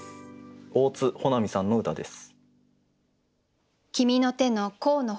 大津穂波さんの歌です。